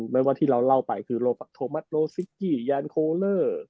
แม้ว่าที่เราเล่าไปคือโรฟัคโทมัสโรซิกกี้แยนโคเลอร์